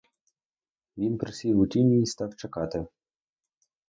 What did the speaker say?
Він присів у тіні й став чекати.